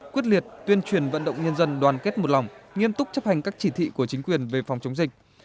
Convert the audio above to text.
quyết liệt tuyên truyền vận động nhân dân đoàn kết một lòng nghiêm túc chấp hành các chỉ thị của chính quyền về phòng chống dịch